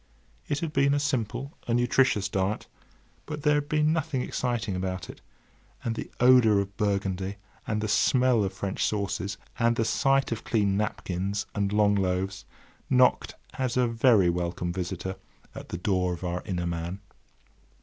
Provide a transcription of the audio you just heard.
It had been a simple, a nutritious diet; but there had been nothing exciting about it, and the odour of Burgundy, and the smell of French sauces, and the sight of clean napkins and long loaves, knocked as a very welcome visitor at the door of our inner man.